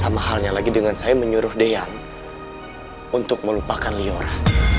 sama halnya lagi dengan saya menyuruh dean untuk melupakan liora